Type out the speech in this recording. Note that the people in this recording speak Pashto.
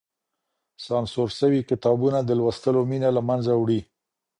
سانسور سوي کتابونه د لوستلو مينه له منځه وړي.